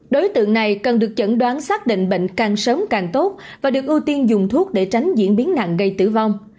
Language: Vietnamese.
đối tượng này cần được chẩn đoán xác định bệnh càng sớm càng tốt và được ưu tiên dùng thuốc để tránh diễn biến nặng gây tử vong